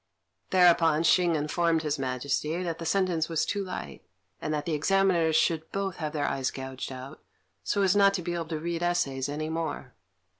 Thereupon Hsing informed His Majesty that the sentence was too light, and that the Examiners should both have their eyes gouged out, so as not to be able to read essays any more.